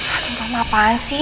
aku nggak tahu apaan sih